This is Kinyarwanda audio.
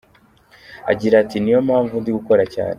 Agira ati “Niyo mpamvu ndi gukora cyane.